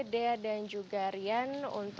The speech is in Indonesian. de dan juga rian